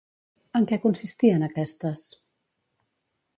En què consistien aquestes?